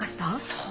そう。